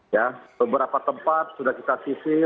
ya beberapa tempat sudah kita sisir